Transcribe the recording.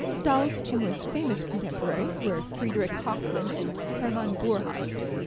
Stahl's two most famous contemporaries were Friedrich Hoffmann and Hermann Boerhaave.